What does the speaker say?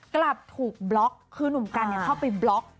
กลับถูกบล็อกคือหนุ่มกันเข้าไปบล็อก